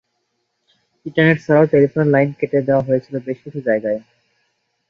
Internet ছাড়াও টেলিফোনের line কেটে দেয়া হয়েছিল বেশ কিছু জায়গায়।